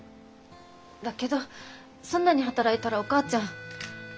だけどそんなに働いたらお母ちゃん。